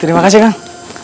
terima kasih kang